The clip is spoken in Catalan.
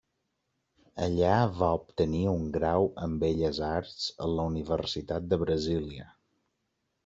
Allà va obtenir un grau en belles arts en la Universitat de Brasília.